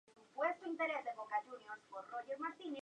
Saint Louis ha sido la capital colonial francesa.